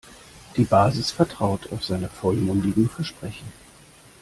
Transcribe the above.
Die Basis vertraut auf seine vollmundigen Versprechen.